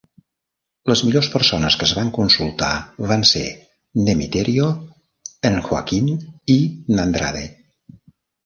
Les millors persones que es van consultar van ser n'Emiterio, en Joaquín i n'Andrade.